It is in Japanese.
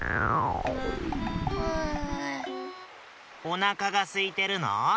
おなかがすいてるの？